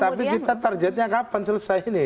tapi kita targetnya kapan selesai ini